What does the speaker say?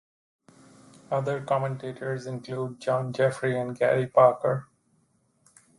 Other commentators include John Jeffrey and Gary Parker.